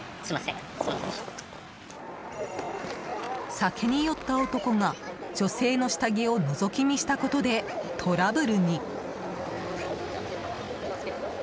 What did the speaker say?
酒に酔った男が、女性の下着をのぞき見したことでトラブルに。